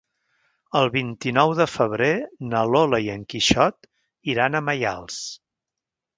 El vint-i-nou de febrer na Lola i en Quixot iran a Maials.